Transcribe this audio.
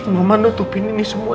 mama nutupin ini semua